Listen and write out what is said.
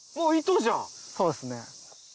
そうですね。